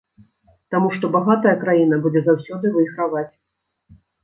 Таму што багатая краіна будзе заўсёды выйграваць.